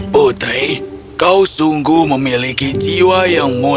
putri kau sungguh memiliki jiwa yang mulia